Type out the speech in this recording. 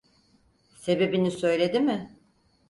Sebebini söyledi mi?